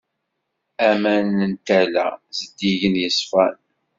Aman n tala zeddigen yeṣfan.